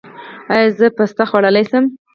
ایا زه پسته خوړلی شم؟